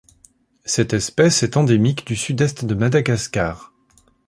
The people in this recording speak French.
Cette espèce est endémique du sud-est de Madagascar.